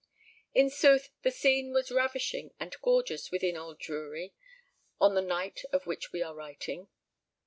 In sooth, the scene was ravishing and gorgeous within Old Drury on the night of which we are writing.